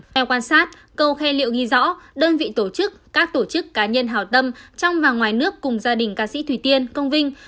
theo quan sát câu khe liệu ghi rõ đơn vị tổ chức các tổ chức cá nhân hảo tâm trong và ngoài nước cùng gia đình ca sĩ thủy tiên công vinh